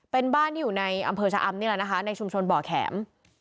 เป็นบ้านที่อยู่ในอำเภอชะอำนี่แหละนะคะในชุมชนบ่อแข็ม